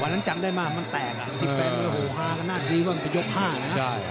วันหนังจำได้มามันแตกอ่ะที่แฟนเนี้ยโหห้าก็น่าดีกว่ามันเป็นยกห้าอย่างนั้นใช่